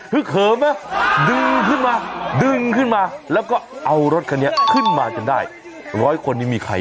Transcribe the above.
เพื่อเขมาหรือเข้ามาดูขึงมาแล้วก็เอารถคันนี้ขึ้นมาก็ได้หรอร้อยคนนี้มี